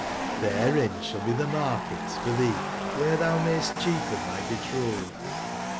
ITberein sball be tbe market for tbee wbere tboumayst cbeap en tby betrotbed.